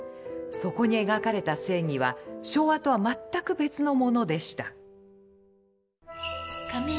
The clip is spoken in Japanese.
そこに描かれた正義は昭和とは全く別のものでした。